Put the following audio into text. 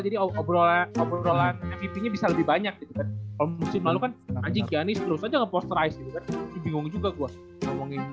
jadi obrolan obrolan ini bisa lebih banyak omosif lalu kan aja ini terus aja posterize juga gue